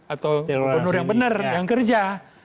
atau gubernur yang benar yang kerja